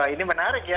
ini menarik ya